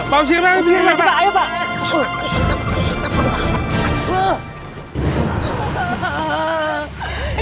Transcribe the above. pak usirin aja pak ayo pak